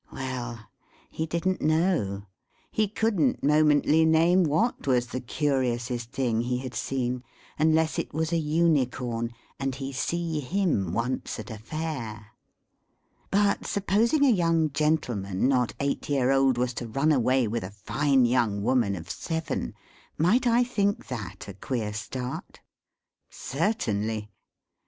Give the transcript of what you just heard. Well! He didn't know. He couldn't momently name what was the curiousest thing he had seen unless it was a Unicorn, and he see him once at a Fair. But supposing a young gentleman not eight year old was to run away with a fine young woman of seven, might I think that a queer start? Certainly.